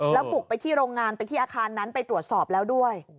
แล้วบุกไปที่โรงงานไปที่อาคารนั้นไปตรวจสอบแล้วด้วย